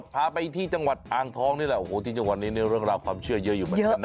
พาไปที่จังหวัดอ่างทองนี่แหละโอ้โหที่จังหวัดนี้ในเรื่องราวความเชื่อเยอะอยู่เหมือนกันนะ